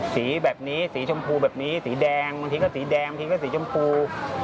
สีแบบนี้สีชมพูแบบนี้สีแดงบางทีก็สีแดงบางทีก็สีชมพู